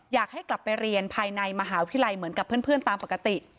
อยากให้กลับไปเรียนภายในมหาวิทยาลัยเหมือนกับเพื่อนตามปกติ